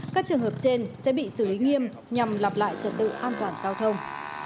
các trường hợp trên sẽ bị xử lý nghiêm nhằm lặp lại trật tự an toàn giao thông